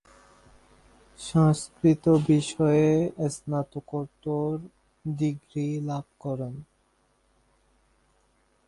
সংস্কৃত বিষয়ে স্নাতকোত্তর ডিগ্রী লাভ করেন।